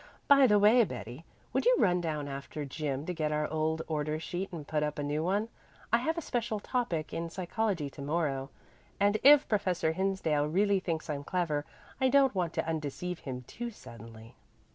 "By the way, Betty, would you run down after gym to get our old order sheet and put up a new one? I have a special topic in psychology to morrow, and if Professor Hinsdale really thinks I'm clever I don't want to undeceive him too suddenly."